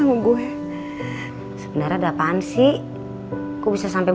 nyuruh pak rendy